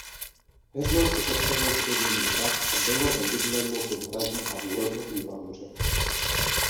Heřman si postavil dřevěný hrad a bylo obydleno podhradí a úrodná niva u řeky.